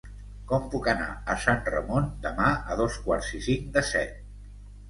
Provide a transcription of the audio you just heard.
Com puc anar a Sant Ramon demà a dos quarts i cinc de set?